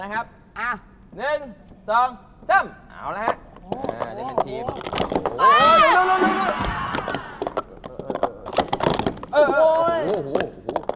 เขาวางแผน